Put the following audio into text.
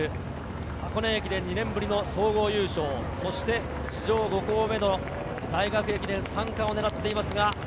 箱根駅伝２年ぶりの総合優勝、そして史上５校目の大学駅伝３冠を狙っています。